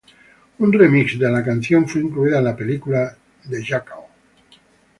Un remix de la canción fue incluida en la película "The Jackal".